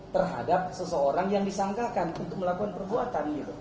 terhadap seseorang yang disangkakan untuk melakukan perbuatan